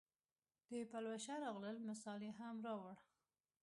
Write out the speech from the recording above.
د پلوشه راغلل مثال یې هم راووړ.